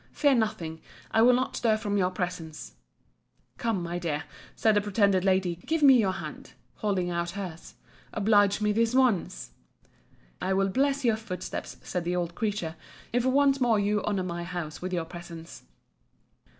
] Fear nothing: I will not stir from your presence. Come, my dear, said the pretended lady, give me your hand; holding out her's. Oblige me this once. I will bless your footsteps, said the old creature, if once more you honour my house with your presence.